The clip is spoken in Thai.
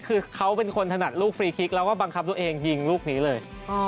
คือเขาเป็นคนถนัดลูกฟรีคลิกแล้วก็บังคับตัวเองยิงลูกนี้เลย